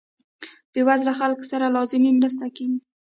بې وزله خلکو سره لازمې مرستې کیږي.